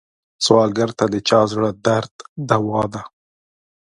سوالګر ته د چا زړه درد دوا ده